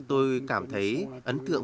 tôi cảm thấy ấn tượng